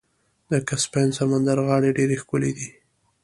د کسپین سمندر غاړې ډیرې ښکلې دي.